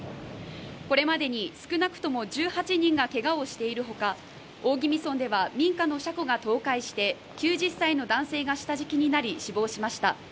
これまでに少なくとも１８人がけがをしているほか、大宜味村では民家の車庫が倒壊して９０歳の男性が下敷きになり死亡しました。